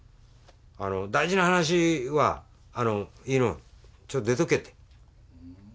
大事な話は「飯野ちょっと出とけ」って。